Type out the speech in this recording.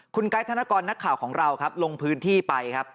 คุณไกด์ธนกรนักข่าวของเราครับลงพื้นที่ไปครับ